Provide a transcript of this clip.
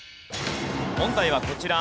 問題はこちら。